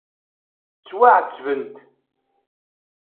Ttwaɛettbent.